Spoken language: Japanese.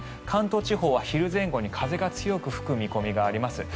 関東地方は昼前後に風が強く吹く見込みがあります。